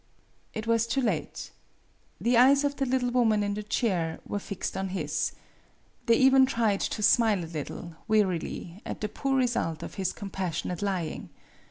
It was too late. The eyes of the little woman in the chair were fixed on his. They even tried to smile a little, wearily, at the poor result of his compassionate lying.